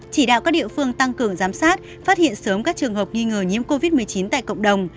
chỉ đạo các địa phương tăng cường giám sát phát hiện sớm các trường hợp nghi ngờ nhiễm covid một mươi chín tại cộng đồng